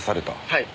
はい。